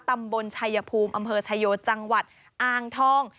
ตำบลชายภูมิอำเภอชายโยจังหวัดอ่างทอง